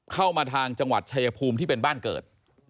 เข้ามาทางจังหวัดชายภูมิที่เป็นบ้านเกิด